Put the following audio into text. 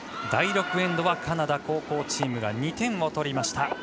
第６エンドはカナダ後攻チームが２点を取りました。